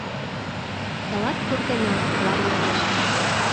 Тылат пуртена, Ларионыч.